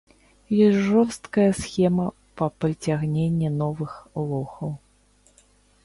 Ёсць жорсткая схема па прыцягненні новых лохаў.